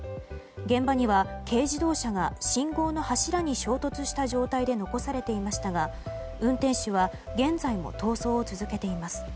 現場には軽自動車が信号の柱に衝突した状態で残されていましたが運転手は現在も逃走を続けています。